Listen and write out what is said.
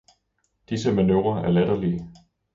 Disse manøvrer er latterlige.